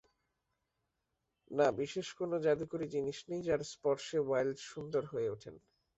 না, বিশেষ কোনো জাদুকরি জিনিস নেই, যার স্পর্শে ওয়াইল্ড সুন্দর হয়ে ওঠেন।